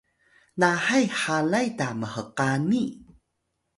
nahay halay ta mhkani